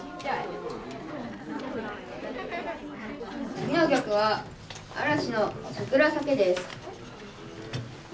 次の曲は嵐の「サクラ咲ケ」です。